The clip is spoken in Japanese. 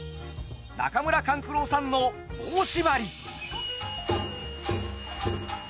中村勘九郎さんの「棒しばり」。